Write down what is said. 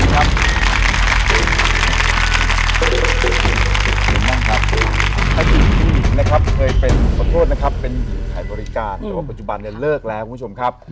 ขอโทษนะครับเป็นหญิงขายบริการแต่ว่าปัจจุบันเนี่ยเลิกแล้วคุณผู้ชมครับ